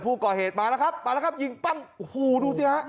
ผู้ก่อเหตุมาแล้วครับมาแล้วครับยิงปั้งโอ้โหดูสิฮะ